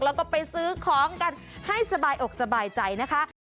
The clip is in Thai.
แล้วก็ไปซื้อของกันให้สบายอกสบายใจนะคะ